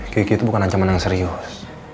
kiki itu bukan ancaman yang serius